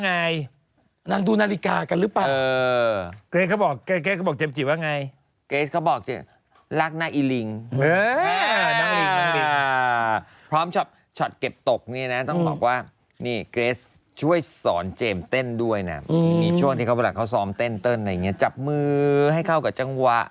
ห้าห้าห้าห้าห้าห้าห้าห้าห้าห้าห้าห้าห้าห้าห้าห้าห้าห้าห้าห้าห้าห้าห้าห้าห้าห้าห้าห้า